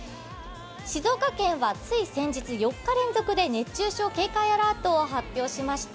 静岡県はつい先日、４日連続で熱中症警戒アラートを発表しました。